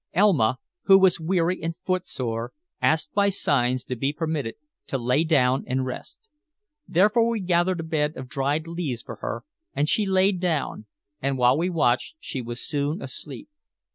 Elma, who was weary and footsore, asked by signs to be permitted to lay down and rest. Therefore we gathered a bed of dried leaves for her, and she lay down, and while we watched she was soon asleep.